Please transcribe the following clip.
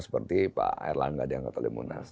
berarti pak erlan gak diangkat oleh munas